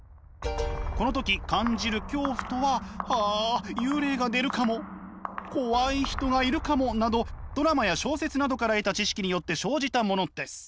この時感じる恐怖とははあ幽霊が出るかも怖い人がいるかもなどドラマや小説などから得た知識によって生じたものです。